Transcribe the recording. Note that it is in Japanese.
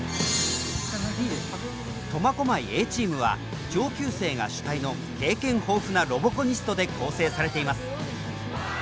苫小牧Ａチームは上級生が主体の経験豊富なロボコニストで構成されています。